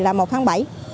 là một tháng bảy